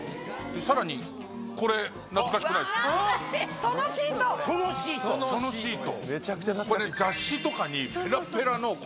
さらに、これ、懐かしくないソノシート。